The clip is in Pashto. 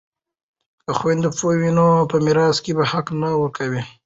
که خویندې پوهې وي نو په میراث کې به حق نه ورکوي.